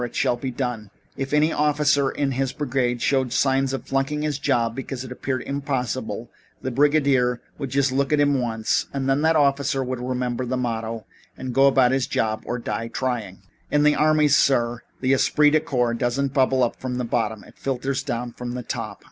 It shall be done.' If any officer in his brigade showed signs of flunking his job because it appeared impossible, the brigadier would just look at him once and then that officer would remember the motto and go and do his job or die trying. "In the army, sir, the esprit de corps doesn't bubble up from the bottom. It filters down from the top.